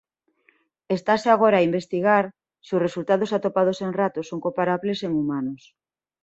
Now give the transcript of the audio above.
Estase agora a investigar se os resultados atopados en ratos son comparables en humanos.